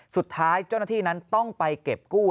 สุดท้ายเจ้าหน้าที่นั้นต้องไปเก็บกู้